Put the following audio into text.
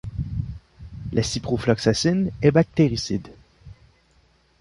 La ciprofloxacine est bactéricide.